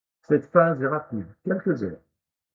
Cette phase est rapide, quelques heures.